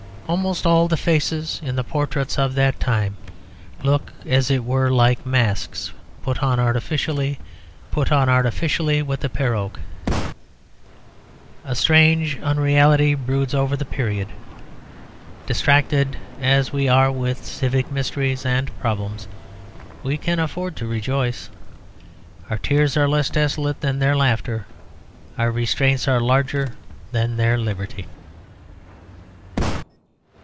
Almost all the faces in the portraits of that time look, as it were, like masks put on artificially with the perruque. A strange unreality broods over the period. Distracted as we are with civic mysteries and problems we can afford to rejoice. Our tears are less desolate than their laughter, our restraints are larger than their liberty.